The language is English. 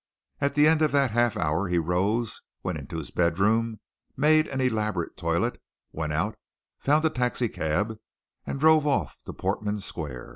At the end of that half hour he rose, went into his bedroom, made an elaborate toilet, went out, found a taxi cab, and drove off to Portman Square.